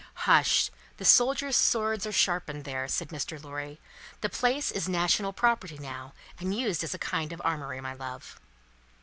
"Hush! The soldiers' swords are sharpened there," said Mr. Lorry. "The place is national property now, and used as a kind of armoury, my love."